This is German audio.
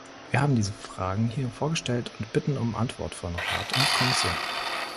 Wir haben diese Fragen hier vorgestellt und bitten um Antwort von Rat und Kommission.